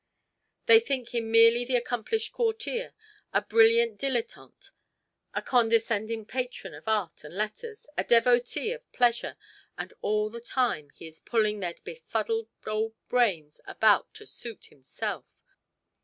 They think him merely the accomplished courtier, a brilliant dilettante, a condescending patron of art and letters, a devotee of pleasure, and all the time he is pulling their befuddled old brains about to suit himself.